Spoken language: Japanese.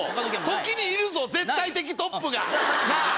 時にいるぞ絶対的トップが！